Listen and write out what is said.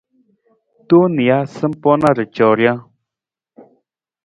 Tong nija, sampaa na ra coo rijang.